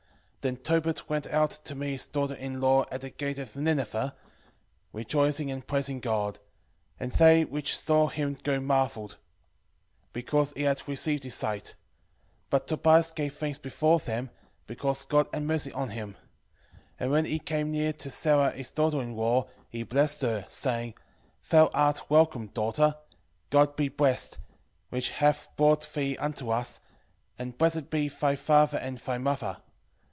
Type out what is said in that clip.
11:16 Then Tobit went out to meet his daughter in law at the gate of Nineve, rejoicing and praising God: and they which saw him go marvelled, because he had received his sight. 11:17 But Tobias gave thanks before them, because God had mercy on him. And when he came near to Sara his daughter in law, he blessed her, saying, Thou art welcome, daughter: God be blessed, which hath brought thee unto us, and blessed be thy father and thy mother.